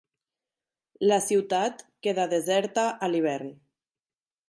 La ciutat queda deserta a l'hivern.